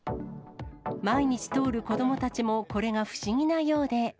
毎日通る子どもたちも、これが不思議なようで。